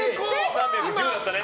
３１０だったね。